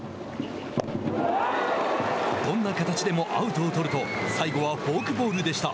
どんな形でもアウトを取ると最後はフォークボールでした。